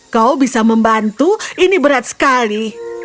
kau bisa membantu ini berat sekali